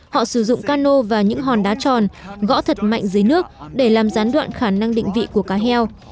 họ sử dụng cano và những hòn đá tròn gõ thật mạnh dưới nước để làm gián đoạn khả năng định vị của cá heo